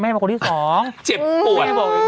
เจ็บปวดไม่ได้บอกอย่างนี้